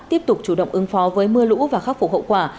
tiếp tục chủ động ứng phó với mưa lũ và khắc phục hậu quả